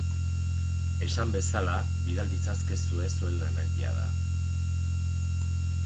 Esan bezala, bidal ditzazkezue zuen lanak jada.